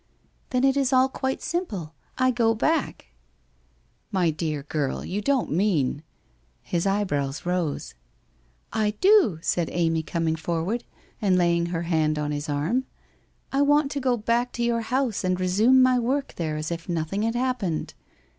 ' Then it is all quite simple. I go back.' ff My dear girl, you don't mean ?' His eyebrows rose. ' I do,' said Amy coming forward, and laying her hand on his arm, ' I want to go back to your house and resume my work there as if nothing had happened.